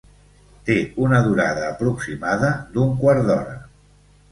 Té una durada aproximada d'un quart hora.